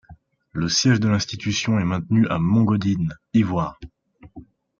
Le siège de l'institution est maintenu à Mont-Godinne, Yvoir.